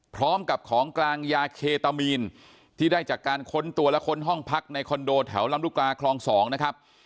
พร้อมกับของกลางยาเคตามีนที่ได้จากการค้นตัวและค้นห้องพักในคอนโดแถวลำลูกกาคลอง๒นะครับ